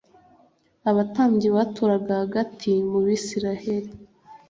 abatambyi baturaga hagati mu Bisirayeli